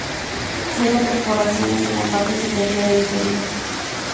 Tienen perforaciones en la parte superior e inferior.